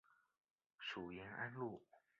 属延安路。